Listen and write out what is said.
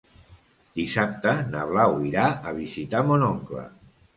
Dissabte na Blau irà a visitar mon oncle.